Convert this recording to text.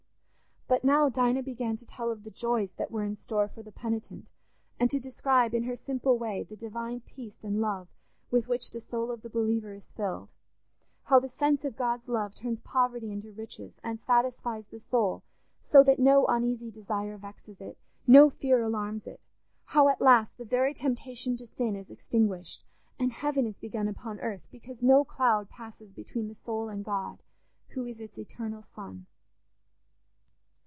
But now Dinah began to tell of the joys that were in store for the penitent, and to describe in her simple way the divine peace and love with which the soul of the believer is filled—how the sense of God's love turns poverty into riches and satisfies the soul so that no uneasy desire vexes it, no fear alarms it: how, at last, the very temptation to sin is extinguished, and heaven is begun upon earth, because no cloud passes between the soul and God, who is its eternal sun.